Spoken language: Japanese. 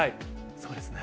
そうですね。